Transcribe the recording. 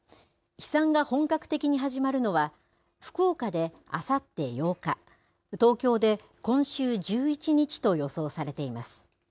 飛散が本格的に始まるのは、福岡であさって８日、東京で今週１１日と予想されています。